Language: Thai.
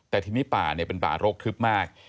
แต่ทีนี้ป่าเป็นป่าโรคทึบมาก